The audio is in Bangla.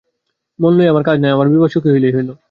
মান লইয়া আমার কাজ নাই, আমার বিভা সুখী হইলেই হইল।